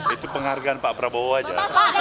itu penghargaan pak prabowo aja